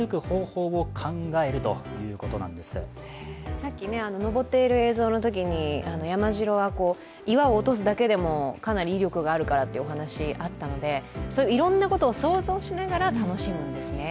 さっき登っている映像のときに山城は岩を落とすだけでもかなり威力があるからというお話、あったのでいろんなことを想像しながら楽しむんですね。